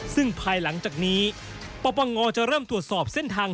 ซึ่งภายหลังจากนี้ปปงจะเริ่มตรวจสอบเส้นทาง